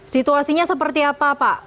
situasinya seperti apa pak